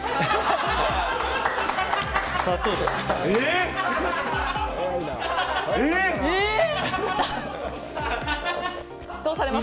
砂糖です。